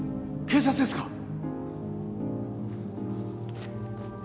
警察ですか？